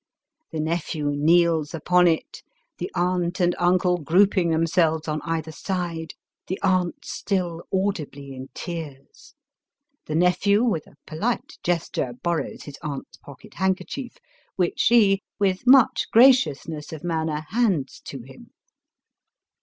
The nephew kneels upon it, the aunt and uncle grouping themselves on either side, the aunt still audibly in tears. The nephew, with a polite gesture, borrows his aunt's pocket handkerchief, which she, with much graciousness of manner, hands to him.